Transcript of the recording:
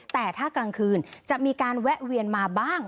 แต่ถ้ากลางคืนจะมีการแวะเวียนมาบ้าง